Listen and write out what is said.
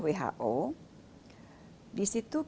di situ kita diplomasi kita berarti